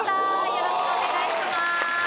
よろしくお願いします。